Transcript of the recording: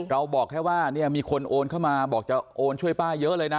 บอกแค่ว่าเนี่ยมีคนโอนเข้ามาบอกจะโอนช่วยป้าเยอะเลยนะ